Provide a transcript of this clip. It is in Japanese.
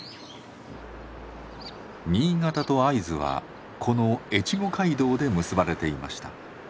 新潟と会津はこの越後街道で結ばれていました。